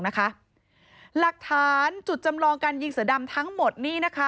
หลักฐานจุดจำลองการยิงเสือดำทั้งหมดนี่นะคะ